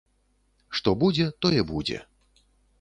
Што будзе, тое будзе.